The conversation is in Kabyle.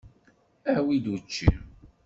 Awi-d učči!